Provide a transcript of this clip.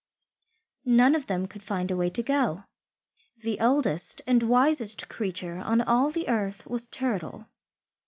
None of them could find a way to go. The oldest and wisest creature on all the earth was Turtle.